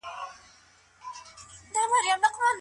ماته لارښوونه وشوه چې خپل کالي په بکس کې کېږدم.